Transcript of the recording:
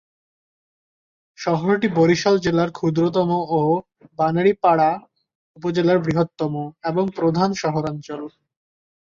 শহরটি বরিশাল জেলার ক্ষুদ্রতম ও বানারীপাড়া উপজেলার বৃহত্তম এবং প্রধান শহরাঞ্চল।